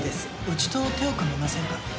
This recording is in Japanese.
うちと手を組みませんか？